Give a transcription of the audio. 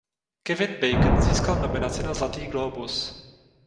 Kevin Bacon získal nominaci na Zlatý glóbus.